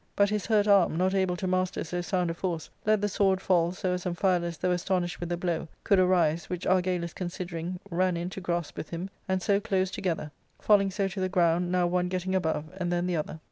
But his hurt arm, not able to master so sound a force, let the sword fall so as Amphialus, though astonished with the blow, could arise, which Argalus con sidering ran in to grasp with him, and so closed together, falling so to the ground, now one getting above, and then the other.